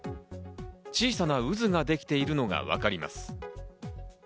小さな渦ができているのがわかります。